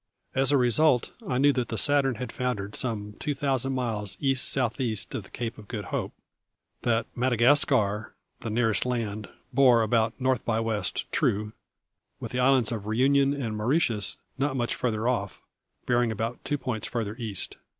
As a result, I knew that the Saturn had foundered some two thousand miles east south east of the Cape of Good Hope; that Madagascar the nearest land bore about north by west, true; with the islands of Reunion and Mauritius, not much farther off, bearing about two points farther east.